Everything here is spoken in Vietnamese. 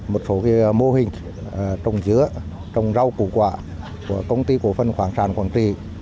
một số mô hình trồng dứa trồng rau củ quả của công ty cổ phân khoảng sản quang trị